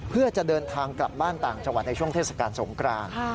เพื่อจะเดินทางกลับบ้านต่างจังหวัดในช่วงเทศกาลสงกราน